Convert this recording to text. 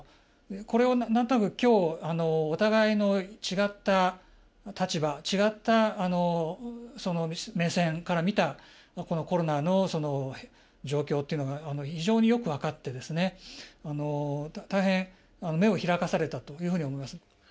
これを何となく今日お互いの違った立場違った目線から見たコロナの状況というのが非常によく分かってですね大変目を開かされたというふうに思います。